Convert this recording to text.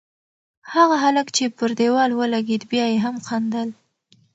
هغه هلک چې پر دېوال ولگېد، بیا یې هم خندل.